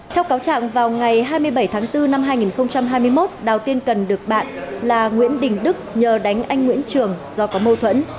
theo cáo trạng vào ngày hai mươi bảy tháng bốn năm hai nghìn hai mươi một đào tiên cần được bạn là nguyễn đình đức nhờ đánh anh nguyễn trường do có mâu thuẫn